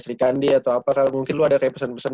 sri kandia atau apa mungkin lu ada kayak pesan pesan